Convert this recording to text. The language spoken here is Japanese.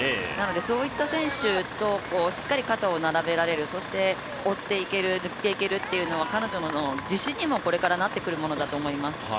そういった選手としっかり肩を並べられるそして、追っていける抜いていけるっていうのは彼女の自信にも、これからなっていくものだと思います。